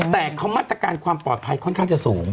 แต่เขามาตรการความปลอดภัยค่อนข้างจะสูง